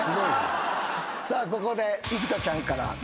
さあここで生田ちゃんから。